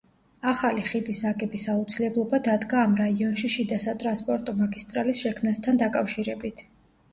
ახალი ხიდის აგების აუცილებლობა დადგა ამ რაიონში შიდა სატრანსპორტო მაგისტრალის შექმნასთან დაკავშირებით.